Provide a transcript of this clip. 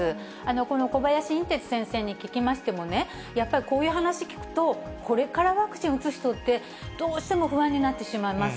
この小林寅てつ先生に聞きましても、やっぱりこういう話聞くと、これからワクチンを打つ人って、どうしても不安になってしまいます。